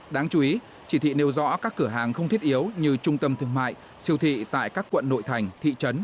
đáng chú ý chỉ thị nêu rõ các cửa hàng không thiết yếu như trung tâm thương mại siêu thị tại các quận nội thành thị trấn